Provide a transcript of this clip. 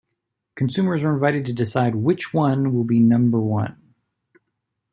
Consumers were invited to decide Which one will be number one?